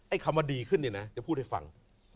คำว่าดีขึ้นเนี่ยนะจะพูดให้ฟัง